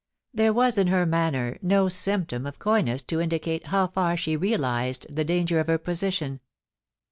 There was in her manner no symptom of coy ness to indicate how far she realised the danger of her position.